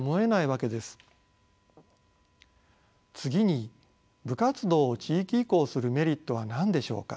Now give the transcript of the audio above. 次に部活動を地域移行するメリットは何でしょうか。